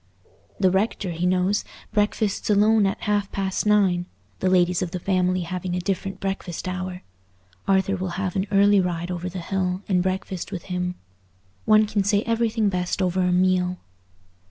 The rector, he knows, breakfasts alone at half past nine, the ladies of the family having a different breakfast hour; Arthur will have an early ride over the hill and breakfast with him. One can say everything best over a meal.